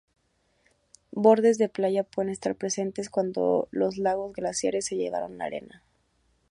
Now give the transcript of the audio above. Bordes de playa pueden estar presentes cuando los lagos glaciares se llevaron la arena.